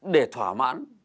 để thỏa mãn